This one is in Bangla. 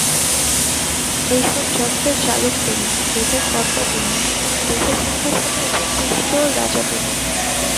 এইসব যন্ত্রের চালক তিনি, গৃহের কর্তা তিনি, দেহ-সিংহাসনে উপবিষ্ট রাজা তিনি।